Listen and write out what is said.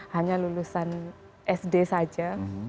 hanya lulusan sd saja